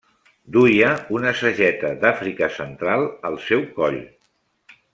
Duia una sageta d'Àfrica central al seu coll.